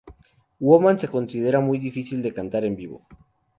Woman" se considera muy difícil de cantar en vivo.